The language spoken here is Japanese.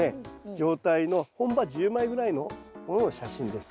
状態の本葉１０枚ぐらいのものの写真です。